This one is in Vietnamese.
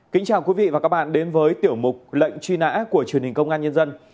kính chào quý vị và các bạn đến với tiểu mục lệnh truy nã của truyền hình công an nhân dân